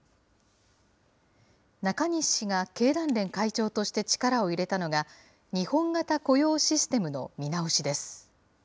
中西氏が経団連会長として力を入れたのが、日本型雇用システムの見直しです。